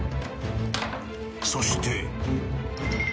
［そして］